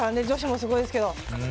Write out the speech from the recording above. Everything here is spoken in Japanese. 女子もすごいですけど。